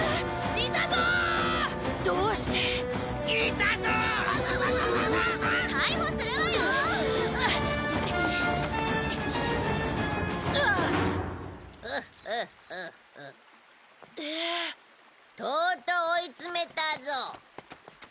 とうとう追い詰めたぞ。